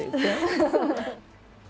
ハハハハ！